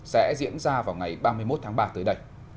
sẽ diễn ra vào ngày ba mươi một tháng ba tới đây